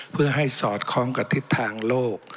เพื่อให้สอดคล้องกับทิศทางโลก